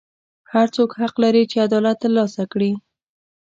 هر څوک حق لري چې عدالت ترلاسه کړي.